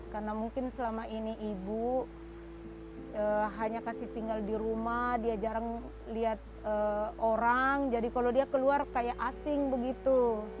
karena mungkin selama ini ibu hanya kasih tinggal di rumah dia jarang lihat orang jadi kalau dia keluar kayak asing begitu